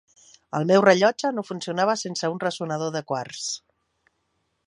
El meu rellotge no funcionava sense un ressonador de quars.